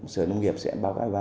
sở nông nghiệp sẽ báo cáo